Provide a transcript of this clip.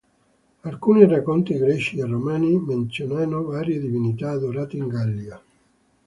Alcuni racconti greci e romani menzionano varie divinità adorate in Gallia.